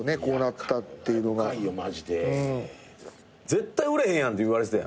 「絶対売れへんやん」って言われてたやん？